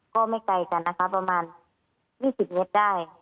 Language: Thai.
ก็ไม่ไกลกันนะคะไว้ประมาณ๒๐นิตย์ได้